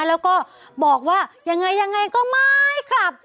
แล้วก็บอกว่ายังไงยังไงก็ไม่กลับ